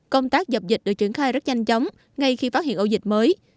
công tác dập dịch được triển khai rất nhanh chóng ngay khi phát hiện ổ dịch mới